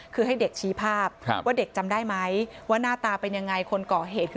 คือให้เด็กชี้ภาพว่าเด็กจำได้ไหมว่าหน้าตาเป็นยังไงคนก่อเหตุคือ